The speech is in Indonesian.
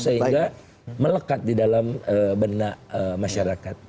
sehingga melekat di dalam benak masyarakat